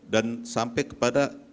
dan sampai kepada